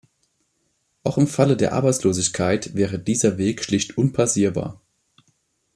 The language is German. Auch im Falle der Arbeitslosigkeit wäre dieser Weg schlicht unpassierbar.